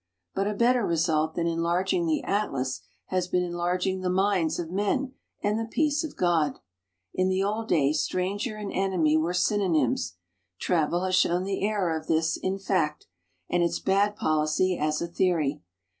But a better result than enlarging the atlas has been enlarging the minds of men and the peace of God. In the old days stranger and enemy were synonyms. Travel has shown the error of this in fact, and its bad policy as a theory.